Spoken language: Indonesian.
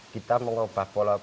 kita mengubah pola pikir